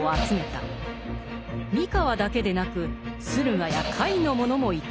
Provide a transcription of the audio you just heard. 三河だけでなく駿河や甲斐の者もいた。